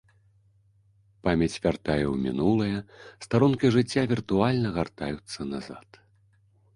Памяць вяртае ў мінулае, старонкі жыцця віртуальна гартаюцца назад.